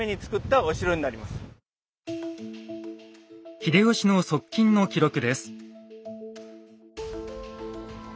秀吉の側近の記録です。